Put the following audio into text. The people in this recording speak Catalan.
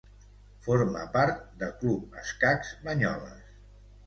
Forma part de Club Escacs Banyoles.